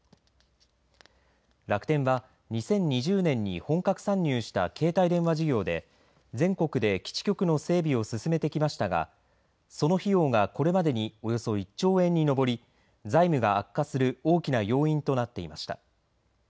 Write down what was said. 楽天は２０２０年に本格参入した携帯電話事業で全国で基地局の整備を進めてきましたがその費用が、これまでにおよそ１兆円に上り財務が悪化する大きな要因となっていました。